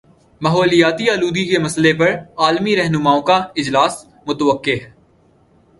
ماحولیاتی آلودگی کے مسئلے پر عالمی رہنماؤں کا اجلاس متوقع ہے